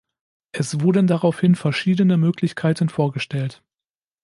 Es wurden daraufhin verschiedene Möglichkeiten vorgestellt.